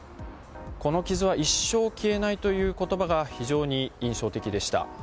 この傷は一生消えないという言葉が非常に印象的でした。